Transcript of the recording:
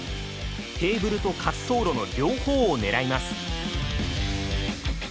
テーブルと滑走路の両方を狙います。